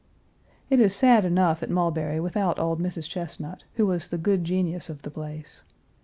It is sad enough at Mulberry without old Mrs. Chesnut, who was the good genius of the place.